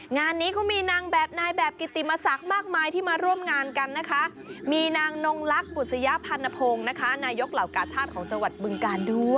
งานนี้ก็มีนางแบบนายแบบกิตติมศักดิ์มากมายที่มาร่วมงานกันนะคะมีนางนองลักบุตสยาพันธนภงนะนะคะ